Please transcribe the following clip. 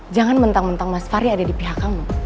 jangan mentang mentang mas fary ada di pihak kamu